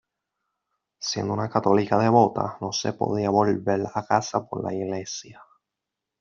Siendo una católica devota, no se podía volver a casar por la Iglesia.